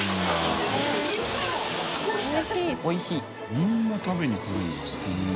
みんな食べにくるんだこんな。